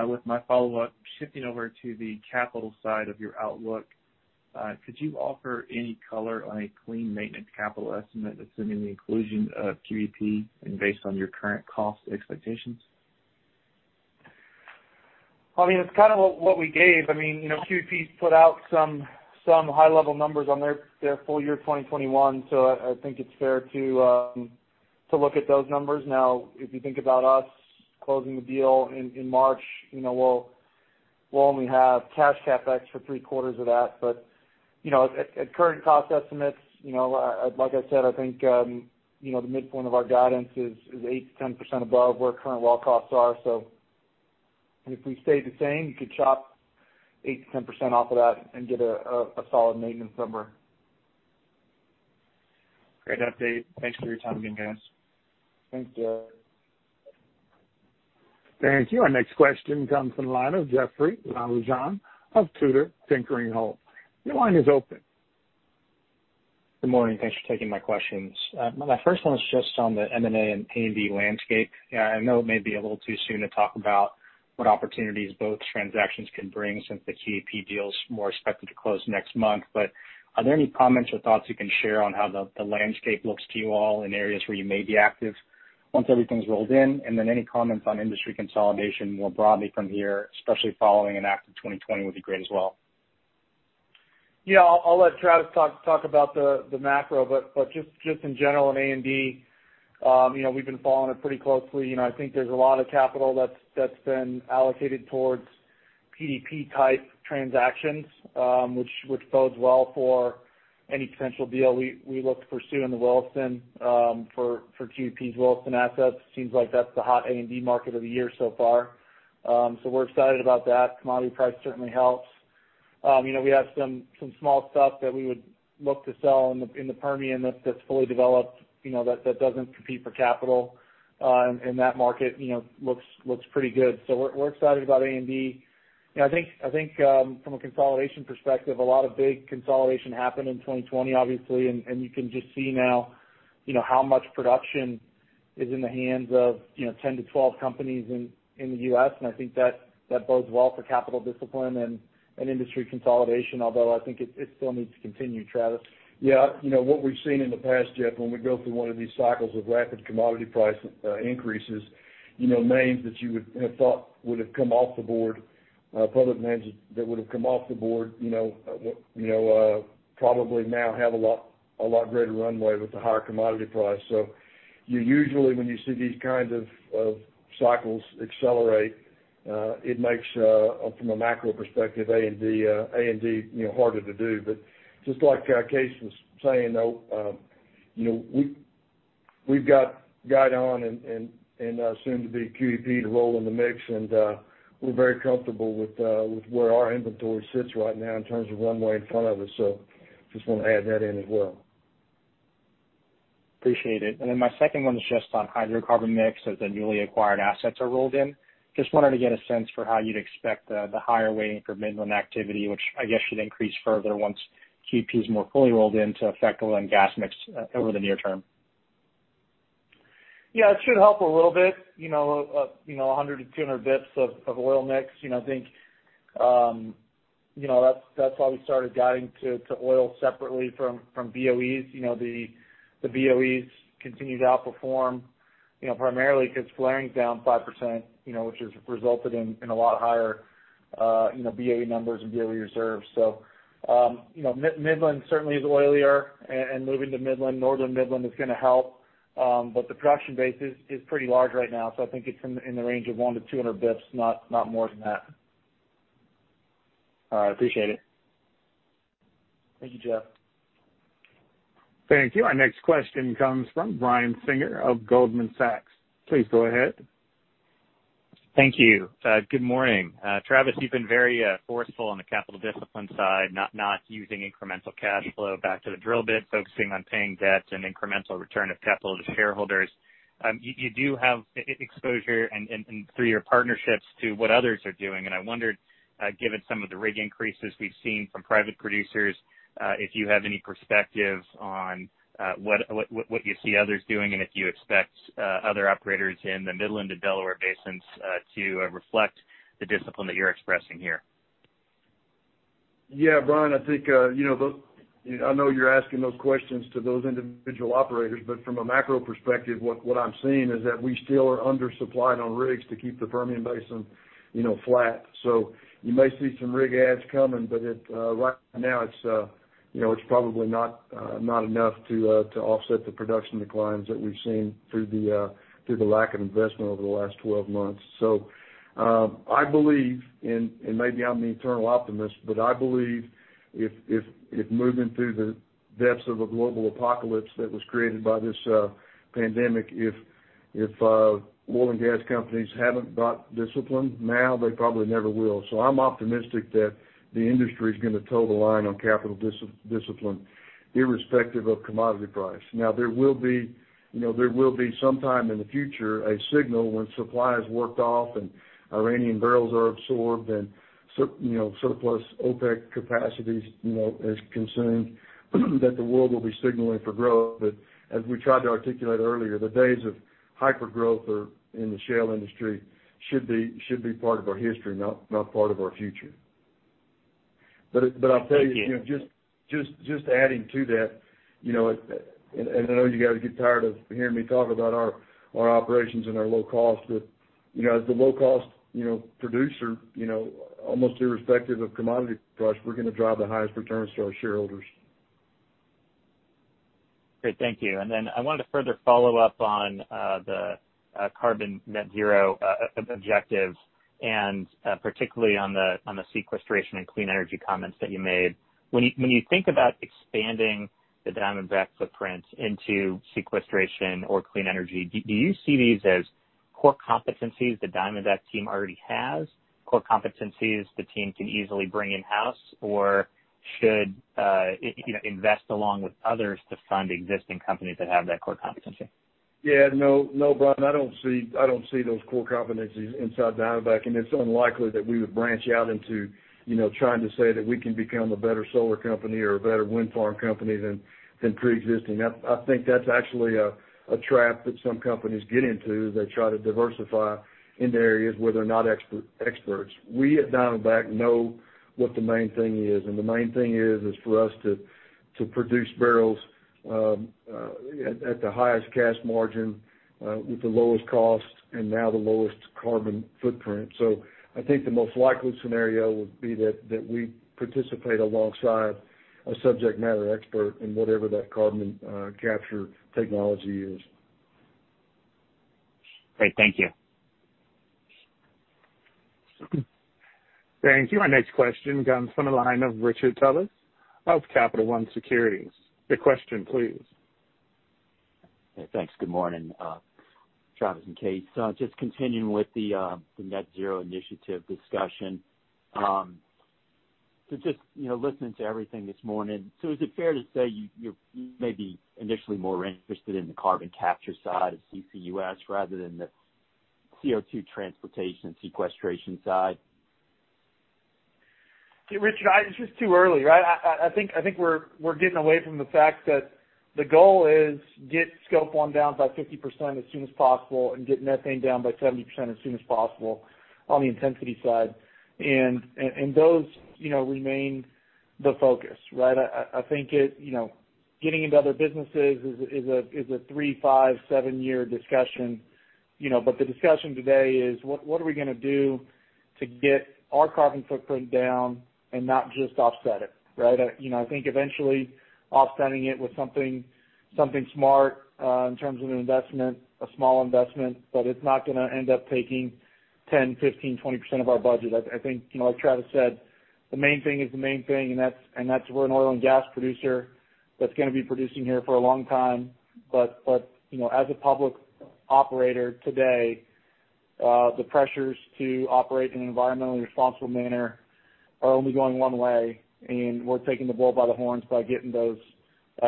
With my follow-up, shifting over to the capital side of your outlook, could you offer any color on a clean maintenance capital estimate assuming the inclusion of QEP and based on your current cost expectations? It's kind of what we gave. QEP's put out some high-level numbers on their full year 2021. I think it's fair to look at those numbers now. If you think about us closing the deal in March, we'll only have cash CapEx for three quarters of that. At current cost estimates, like I said, I think the midpoint of our guidance is 8%-10% above where current well costs are. If we stay the same, you could chop 8%-10% off of that and get a solid maintenance number. Great update. Thanks for your time again, guys. Thanks, Derrick. Thank you. Our next question comes from the line of Jeoffrey Lambujon of Tudor, Pickering, Holt. Your line is open. Good morning. Thanks for taking my questions. My first one was just on the M&A and A&D landscape. I know it may be a little too soon to talk about what opportunities both transactions can bring, since the QEP deal's more expected to close next month. Are there any comments or thoughts you can share on how the landscape looks to you all in areas where you may be active once everything's rolled in? Any comments on industry consolidation more broadly from here, especially following an active 2020 would be great as well. Yeah. I'll let Travis talk about the macro. Just in general on A&D, we've been following it pretty closely. I think there's a lot of capital that's been allocated towards PDP type transactions, which bodes well for any potential deal we look to pursue in the Williston for QEP's Williston assets. Seems like that's the hot A&D market of the year so far. We're excited about that. Commodity price certainly helps. We have some small stuff that we would look to sell in the Permian that's fully developed, that doesn't compete for capital. That market looks pretty good. We're excited about A&D. I think from a consolidation perspective, a lot of big consolidation happened in 2020, obviously, you can just see now how much production is in the hands of 10-12 companies in the U.S., I think that bodes well for capital discipline and industry consolidation, although I think it still needs to continue. Travis? Yeah. What we've seen in the past, Jeff, when we go through one of these cycles of rapid commodity price increases, names that you would have thought would have come off the board, public names that would have come off the board, probably now have a lot greater runway with the higher commodity price. Usually, when you see these kinds of cycles accelerate. It makes, from a macro perspective, A&D harder to do. Just like Kaes was saying, though, we've got Guidon and soon-to-be QEP to roll in the mix, and we're very comfortable with where our inventory sits right now in terms of runway in front of us. Just want to add that in as well. Appreciate it. My second one is just on hydrocarbon mix as the newly acquired assets are rolled in. Just wanted to get a sense for how you'd expect the higher weighting for Midland activity, which I guess should increase further once QEP is more fully rolled in to affect oil and gas mix over the near term. Yeah, it should help a little bit, 100-200 basis points of oil mix. I think that's why we started guiding to oil separately from BOEs. The BOEs continue to outperform, primarily because flaring's down 5%, which has resulted in a lot higher BOE numbers and BOE reserves. Midland certainly is oilier, and moving to Midland, Northern Midland is going to help. The production base is pretty large right now, I think it's in the range of 1-200 basis points, not more than that. All right. Appreciate it. Thank you, Jeff. Thank you. Our next question comes from Brian Singer of Goldman Sachs. Please go ahead. Thank you. Good morning. Travis, you've been very forceful on the capital discipline side, not using incremental cash flow back to the drill bit, focusing on paying debt and incremental return of capital to shareholders. You do have exposure through your partnerships to what others are doing, and I wondered, given some of the rig increases we've seen from private producers, if you have any perspective on what you see others doing, and if you expect other operators in the Midland and Delaware basins to reflect the discipline that you're expressing here. Yeah. Brian, I know you're asking those questions to those individual operators, but from a macro perspective, what I'm seeing is that we still are undersupplied on rigs to keep the Permian Basin flat. You may see some rig adds coming, but right now it's probably not enough to offset the production declines that we've seen through the lack of investment over the last 12 months. I believe, and maybe I'm the eternal optimist, but I believe if moving through the depths of a global apocalypse that was created by this pandemic, if oil and gas companies haven't got discipline now, they probably never will. I'm optimistic that the industry's going to toe the line on capital discipline, irrespective of commodity price. There will be some time in the future a signal when supply is worked off and Iranian barrels are absorbed, and surplus OPEC capacity is consumed, that the world will be signaling for growth. As we tried to articulate earlier, the days of hyper growth in the shale industry should be part of our history, not part of our future. Thank you. I'll tell you, just adding to that, and I know you guys get tired of hearing me talk about our operations and our low cost, but as the low-cost producer almost irrespective of commodity price, we're going to drive the highest returns to our shareholders. Thank you. I wanted to further follow up on the carbon net zero objective, and particularly on the sequestration and clean energy comments that you made. When you think about expanding the Diamondback footprint into sequestration or clean energy, do you see these as core competencies the Diamondback team already has, core competencies the team can easily bring in-house, or should invest along with others to fund existing companies that have that core competency? Yeah, no, Brian, I don't see those core competencies inside Diamondback, and it's unlikely that we would branch out into trying to say that we can become a better solar company or a better wind farm company than preexisting. I think that's actually a trap that some companies get into. They try to diversify into areas where they're not experts. We at Diamondback know what the main thing is, and the main thing is for us to produce barrels at the highest cash margin with the lowest cost and now the lowest carbon footprint. I think the most likely scenario would be that we participate alongside a subject matter expert in whatever that carbon capture technology is. Great. Thank you. Thank you. Our next question comes from the line of Richard Tullis of Capital One Securities. The question, please. Thanks. Good morning, Travis and Kaes. Just continuing with the net zero initiative discussion. Just listening to everything this morning, so is it fair to say you may be initially more interested in the carbon capture side of CCUS rather than the CO2 transportation sequestration side? Richard, it's just too early, right? I think we're getting away from the fact that the goal is get Scope 1 down by 50% as soon as possible and get methane down by 70% as soon as possible on the intensity side. Those remain the focus, right? I think getting into other businesses is a three, five, seven-year discussion. The discussion today is what are we going to do to get our carbon footprint down and not just offset it. I think eventually offsetting it with something smart in terms of an investment, a small investment, but it's not going to end up taking 10%, 15%, 20% of our budget. I think, like Travis said, the main thing is the main thing, that's we're an oil and gas producer that's going to be producing here for a long time. As a public operator today, the pressures to operate in an environmentally responsible manner are only going one way, and we're taking the bull by the horns by getting those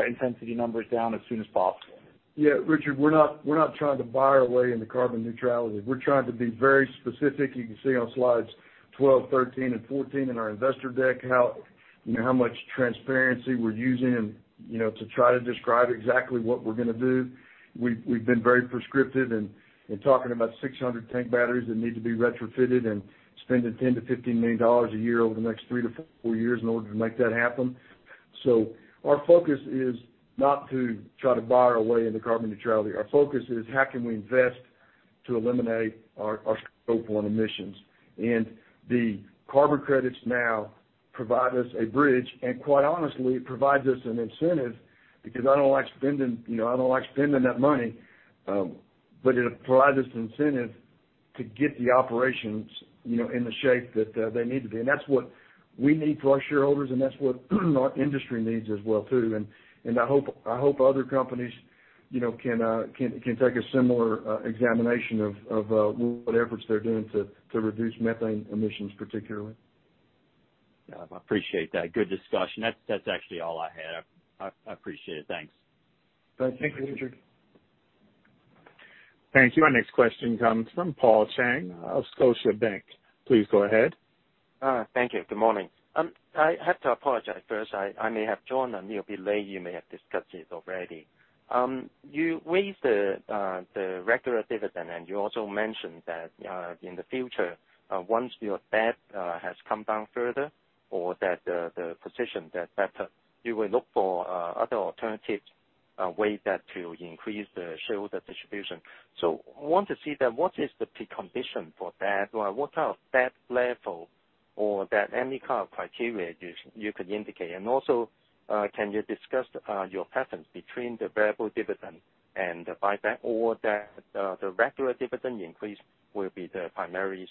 intensity numbers down as soon as possible. Yeah, Richard, we're not trying to buy our way into carbon neutrality. We're trying to be very specific. You can see on slides 12, 13, and 14 in our investor deck how much transparency we're using to try to describe exactly what we're going to do. We've been very prescriptive in talking about 600 tank batteries that need to be retrofitted and spending $10 million-$15 million a year over the next three to four years in order to make that happen. Our focus is not to try to buy our way into carbon neutrality. Our focus is how can we invest to eliminate our Scope 1 emissions. The carbon credits now provide us a bridge, and quite honestly, it provides us an incentive, because I don't like spending that money, but it provides us incentive to get the operations in the shape that they need to be. That's what we need for our shareholders, and that's what our industry needs as well too. I hope other companies can take a similar examination of what efforts they're doing to reduce methane emissions, particularly. I appreciate that. Good discussion. That's actually all I had. I appreciate it. Thanks. Thank you, Richard. Thank you. Our next question comes from Paul Cheng of Scotiabank. Please go ahead. Thank you. Good morning. I have to apologize first. I may have joined a little bit late. You may have discussed this already. You raised the regular dividend, and you also mentioned that in the future, once your debt has come down further or that the position debt better, you will look for other alternative ways to increase the shareholder distribution. I want to see then, what is the precondition for that? What are debt level or debt, any kind of criteria you could indicate? Also, can you discuss your preference between the variable dividend and the buyback or that the regular dividend increase will be the primary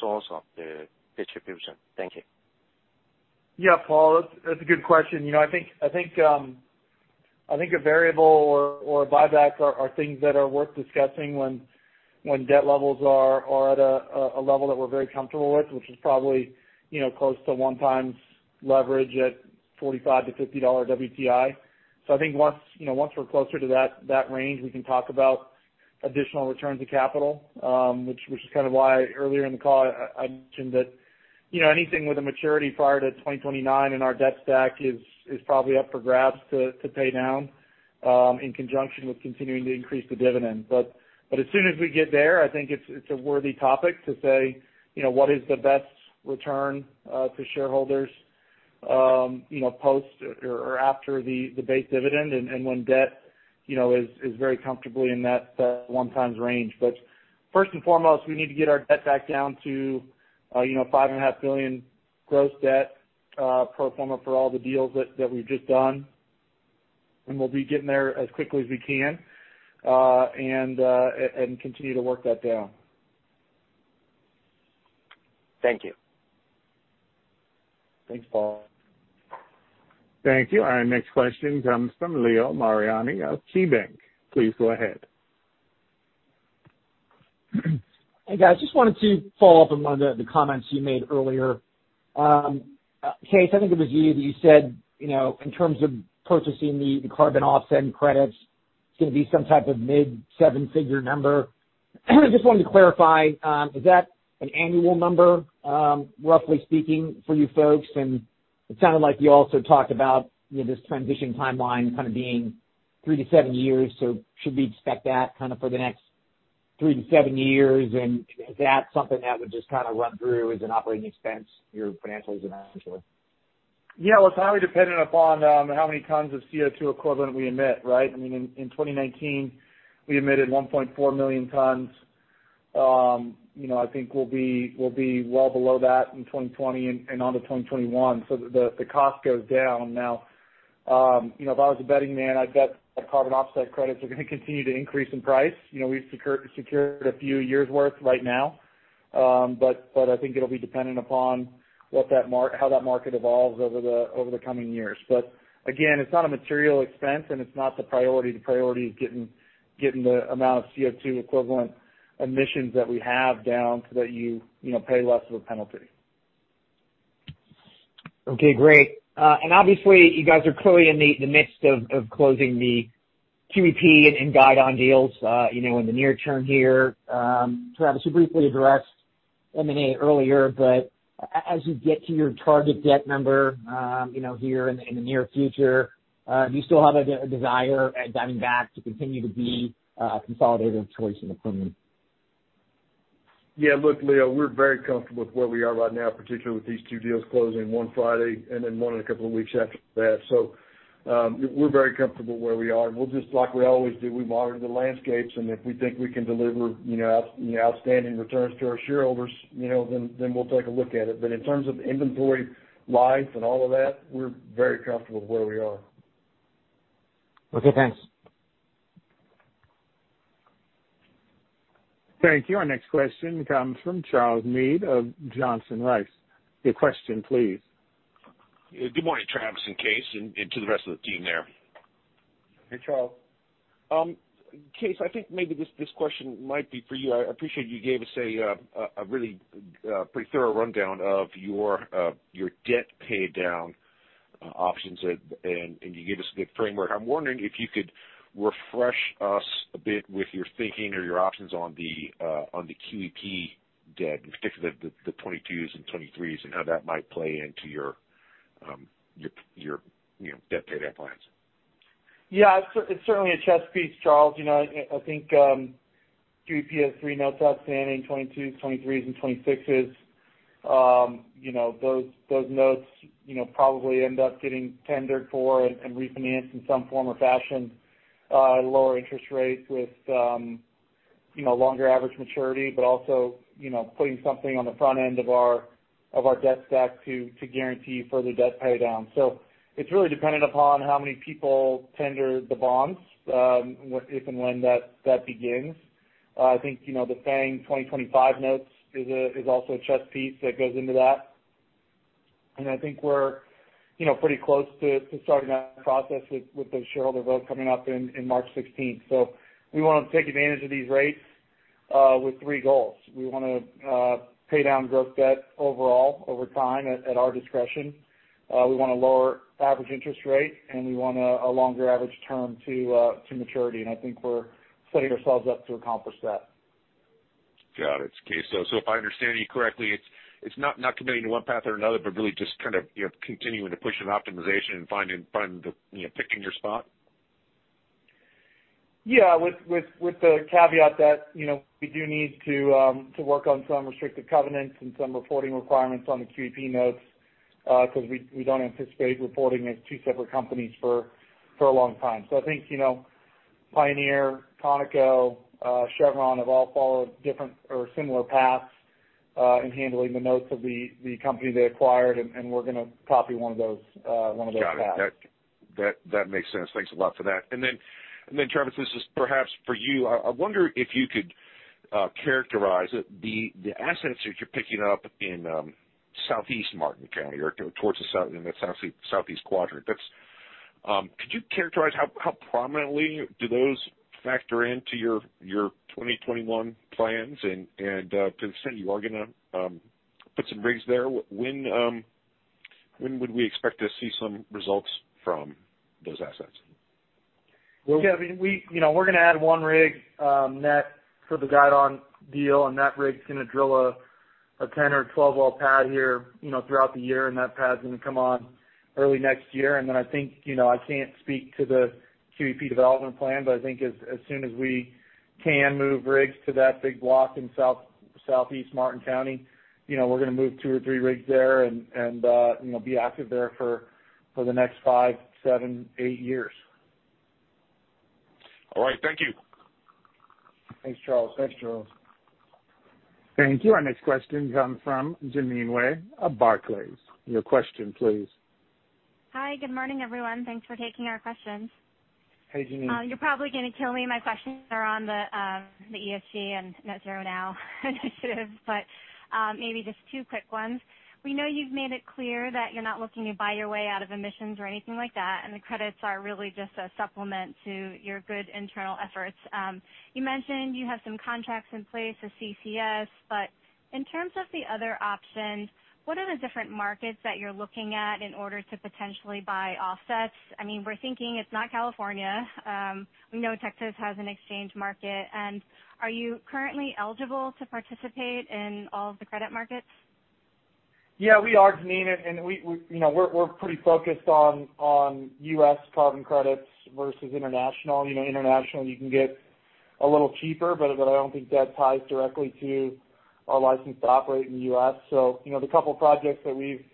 source of the distribution? Thank you. Yeah, Paul, that's a good question. I think a variable or a buyback are things that are worth discussing when debt levels are at a level that we're very comfortable with, which is probably close to 1 times leverage at $45-$50 WTI. I think once we're closer to that range, we can talk about additional returns of capital, which is kind of why earlier in the call, I mentioned that anything with a maturity prior to 2029 in our debt stack is probably up for grabs to pay down in conjunction with continuing to increase the dividend. As soon as we get there, I think it's a worthy topic to say, what is the best return to shareholders post or after the base dividend and when debt is very comfortably in that 1 times range. First and foremost, we need to get our debt back down to $5.5 billion gross debt pro forma for all the deals that we've just done. We'll be getting there as quickly as we can, and continue to work that down. Thank you. Thanks, Paul. Thank you. Our next question comes from Leo Mariani of KeyBanc. Please go ahead. Hey, guys. Just wanted to follow up on one of the comments you made earlier. Kaes, I think it was you that you said, in terms of purchasing the carbon offset credits, it's going to be some type of $ mid 7-figure number. Just wanted to clarify, is that an annual number, roughly speaking, for you folks? It sounded like you also talked about this transition timeline kind of being three to seven years, so should we expect that kind of for the next three to seven years? Is that something that would just kind of run through as an operating expense year to financial as eventually? Yeah. Well, it's highly dependent upon how many tons of CO2 equivalent we emit, right? In 2019, we emitted 1.4 million tons. I think we'll be well below that in 2020 and onto 2021. The cost goes down. If I was a betting man, I'd bet that carbon offset credits are going to continue to increase in price. We've secured a few years' worth right now. I think it'll be dependent upon how that market evolves over the coming years. Again, it's not a material expense, and it's not the priority. The priority is getting the amount of CO2 equivalent emissions that we have down so that you pay less of a penalty. Okay, great. Obviously you guys are clearly in the midst of closing the QEP and Guidon deals in the near term here. Travis, you briefly addressed M&A earlier, but as you get to your target debt number here in the near future, do you still have a desire at Diamondback to continue to be a consolidator of choice in the Permian? Look, Leo, we're very comfortable with where we are right now, particularly with these two deals closing one Friday, and then one in a couple of weeks after that. We're very comfortable where we are, and we'll just like we always do, we monitor the landscapes, and if we think we can deliver outstanding returns to our shareholders, then we'll take a look at it. In terms of inventory life and all of that, we're very comfortable with where we are. Okay, thanks. Thank you. Our next question comes from Charles Meade of Johnson Rice. Your question, please. Good morning, Travis and Kaes, and to the rest of the team there. Hey, Charles. Kaes, I think maybe this question might be for you. I appreciate you gave us a really pretty thorough rundown of your debt paydown options, and you gave us the framework. I'm wondering if you could refresh us a bit with your thinking or your options on the QEP debt, in particular the 2022s and 2023s, and how that might play into your debt paydown plans. Yeah. It's certainly a chess piece, Charles. I think QEP has three notes outstanding, 2022s, 2023s and 2026s. Those notes probably end up getting tendered for and refinanced in some form or fashion, lower interest rates with longer average maturity, but also putting something on the front end of our debt stack to guarantee further debt paydown. It's really dependent upon how many people tender the bonds, if and when that begins. I think, the FANG 2025 notes is also a chess piece that goes into that. I think we're pretty close to starting that process with the shareholder vote coming up in March 16th. We want to take advantage of these rates, with three goals. We want to pay down gross debt overall over time at our discretion. We want a lower average interest rate, and we want a longer average term to maturity. I think we're setting ourselves up to accomplish that. Got it, Kaes. If I understand you correctly, it's not committing to one path or another, but really just kind of continuing to push an optimization and finding, picking your spot? Yeah. With the caveat that we do need to work on some restrictive covenants and some reporting requirements on the QEP notes, because we don't anticipate reporting as two separate companies for a long time. I think, Pioneer, Conoco, Chevron have all followed different or similar paths, in handling the notes of the company they acquired, and we're going to copy one of those paths. Got it. That makes sense. Thanks a lot for that. Travis, this is perhaps for you. I wonder if you could characterize it, the assets that you're picking up in Southeast Martin County or towards the south, in that southeast quadrant. Could you characterize how prominently do those factor into your 2021 plans? To the extent you are going to put some rigs there, when would we expect to see some results from those assets? We're going to add one rig net for the Guidon deal, and that rig's going to drill a 10 or 12 well pad here throughout the year, and that pad's going to come on early next year. Then I think, I can't speak to the QEP development plan, but I think as soon as we can move rigs to that big block in Southeast Martin County, we're going to move two or three rigs there and be active there for the next five, seven, eight years. All right. Thank you. Thanks, Charles. Thank you. Our next question comes from Jeanine Wai of Barclays. Your question please. Hi. Good morning, everyone. Thanks for taking our questions. Hey, Jeanine. You're probably going to kill me. My questions are on the ESG and Net Zero Now initiative. Maybe just two quick ones. We know you've made it clear that you're not looking to buy your way out of emissions or anything like that. The credits are really just a supplement to your good internal efforts. You mentioned you have some contracts in place with CCS. In terms of the other options, what are the different markets that you're looking at in order to potentially buy offsets? We're thinking it's not California. We know Texas has an exchange market. Are you currently eligible to participate in all of the credit markets? We are, Jeanine, and we're pretty focused on U.S. carbon credits versus international. International you can get a little cheaper, but I don't think that ties directly to our license to operate in the U.S. The couple of projects that we've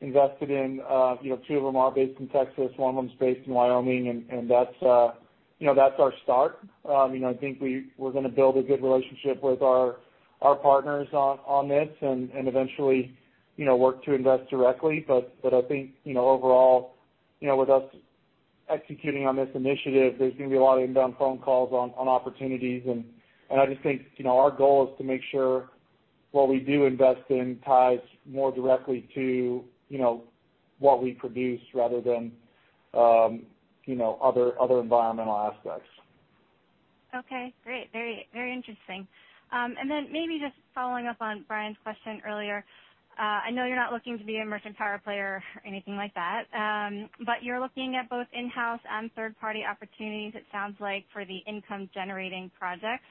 invested in, two of them are based in Texas, one of them is based in Wyoming, and that's our start. I think we're going to build a good relationship with our partners on this and eventually work to invest directly. I think, overall, with us executing on this initiative, there's going to be a lot of inbound phone calls on opportunities. I just think our goal is to make sure what we do invest in ties more directly to what we produce rather than other environmental aspects. Okay, great. Very interesting. Maybe just following up on Brian's question earlier. I know you're not looking to be a merchant power player or anything like that. You're looking at both in-house and third-party opportunities, it sounds like, for the income-generating projects.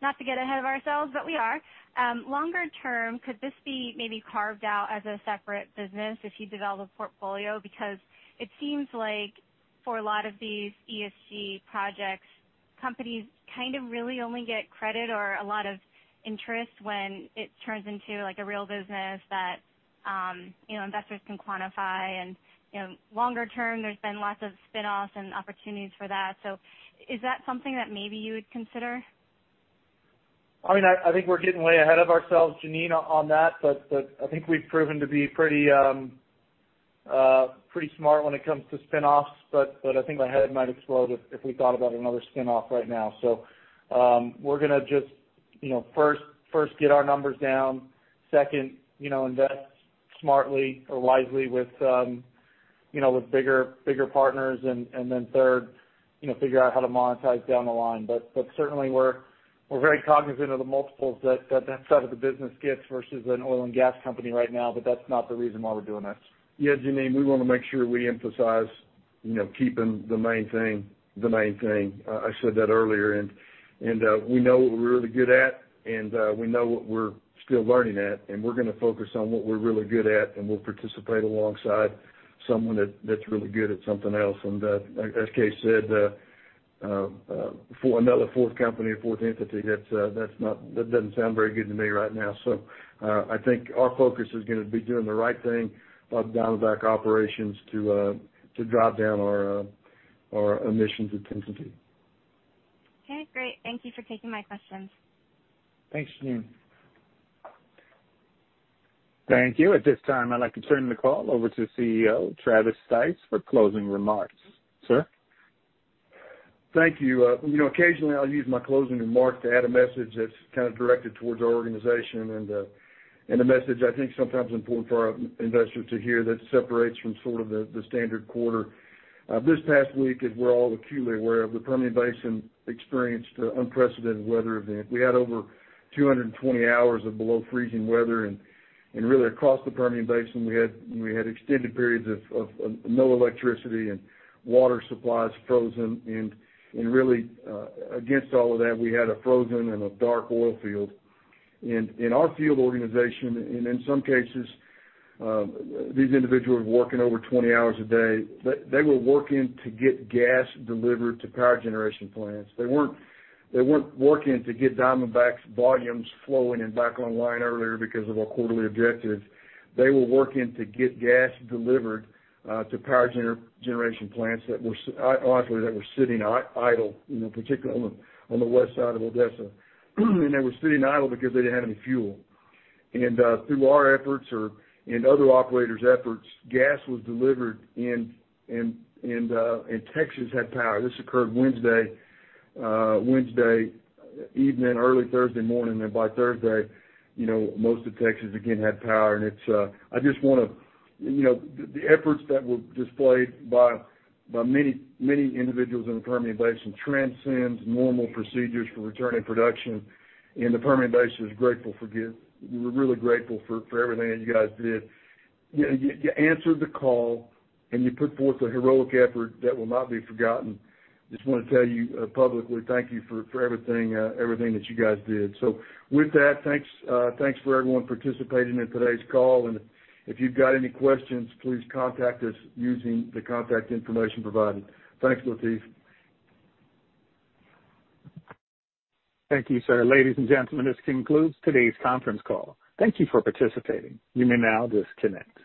Not to get ahead of ourselves, but we are. Longer term, could this be maybe carved out as a separate business if you develop a portfolio? It seems like for a lot of these ESG projects, companies kind of really only get credit or a lot of interest when it turns into a real business that investors can quantify. Longer term, there's been lots of spin-offs and opportunities for that. Is that something that maybe you would consider? I think we're getting way ahead of ourselves, Janine, on that. I think we've proven to be pretty smart when it comes to spin-offs. I think my head might explode if we thought about another spin-off right now. We're going to just first get our numbers down. Second, invest smartly or wisely with bigger partners. Third, figure out how to monetize down the line. Certainly we're very cognizant of the multiples that that side of the business gets versus an oil and gas company right now. That's not the reason why we're doing this. Janine, we want to make sure we emphasize keeping the main thing, the main thing. I said that earlier. We know what we're really good at, and we know what we're still learning at, and we're going to focus on what we're really good at, and we'll participate alongside someone that's really good at something else. As Kaes said, for another 4th company or 4th entity, that doesn't sound very good to me right now. I think our focus is going to be doing the right thing by Diamondback operations to drop down our emissions intensity. Okay, great. Thank you for taking my questions. Thanks, Janine. Thank you. At this time, I'd like to turn the call over to CEO Travis Stice for closing remarks. Sir? Thank you. Occasionally, I'll use my closing remarks to add a message that's kind of directed towards our organization and a message I think sometimes is important for our investors to hear that separates from sort of the standard quarter. This past week, as we're all acutely aware of, the Permian Basin experienced an unprecedented weather event. We had over 220 hours of below-freezing weather, and really across the Permian Basin, we had extended periods of no electricity and water supplies frozen. Really against all of that, we had a frozen and a dark oil field. In our field organization, and in some cases, these individuals were working over 20 hours a day. They were working to get gas delivered to power generation plants. They weren't working to get Diamondback's volumes flowing and back online earlier because of our quarterly objectives. They were working to get gas delivered to power generation plants that were, honestly, sitting idle, particularly on the west side of Odessa. They were sitting idle because they didn't have any fuel. Through our efforts, other operators' efforts, gas was delivered, and Texas had power. This occurred Wednesday evening, early Thursday morning, and by Thursday, most of Texas again had power. The efforts that were displayed by many individuals in the Permian Basin transcends normal procedures for returning production. We're really grateful for everything that you guys did. You answered the call, and you put forth a heroic effort that will not be forgotten. I just want to tell you publicly thank you for everything that you guys did. With that, thanks for everyone participating in today's call. If you've got any questions, please contact us using the contact information provided. Thanks, Latif. Thank you, sir. Ladies and gentlemen, this concludes today's conference call. Thank you for participating. You may now disconnect.